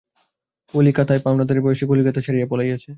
কলিকাতায় সে যথেষ্ট ঋণ করিয়াছে, পাওনাদারদের ভয়ে সে কলিকাতা ছাড়িয়া পলাইয়াছে।